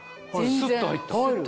スッと入った。